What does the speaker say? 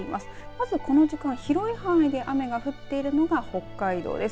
まずこの時間広い範囲で雨が降っているのが北海道です。